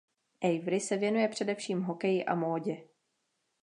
Avery se věnuje především hokeji a módě.